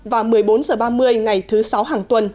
và một mươi bốn h ba mươi ngày thứ sáu hàng tuần